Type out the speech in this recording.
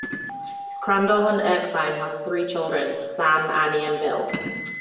Crandall and Erskine have three children: Sam, Annie, and Bill.